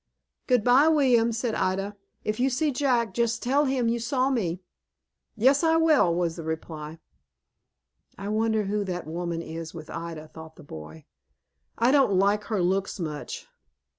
"Good by, William," said Ida. "If you see Jack, just tell him you saw me." "Yes, I will," was the reply. "I wonder who that woman is with Ida," thought the boy. "I don't like her looks much.